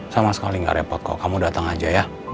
sama sekali nggak repot kok kamu datang aja ya